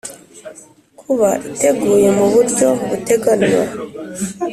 kuba iteguye mu buryo buteganywa